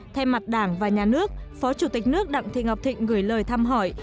thay mặt đảng và nhà nước phó chủ tịch nước đặng thị ngọc thịnh gửi lời thăm hỏi